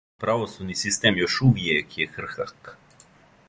Правосудни систем још увијек је крхак.